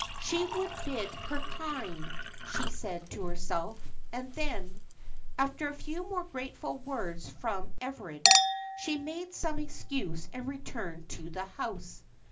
"She would bide her time," she said to herself; and then, after a few more grateful words from Everard, she made some excuse and returned to the house.